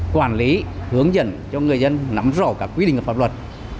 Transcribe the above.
quản lý hướng dẫn cho người dân nắm rõ cả quy định và pháp luật